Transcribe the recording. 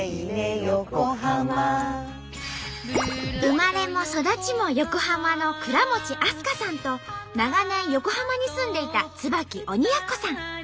生まれも育ちも横浜の倉持明日香さんと長年横浜に住んでいた椿鬼奴さん。